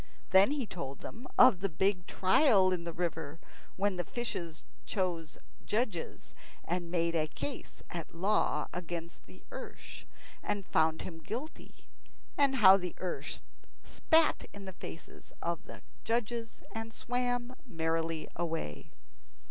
Then he told them of the big trial in the river, when the fishes chose judges, and made a case at law against the ersh, and found him guilty, and how the ersh spat in the faces of the judges and swam merrily away.